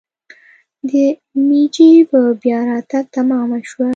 د میجي په بیا راتګ تمامه شوه.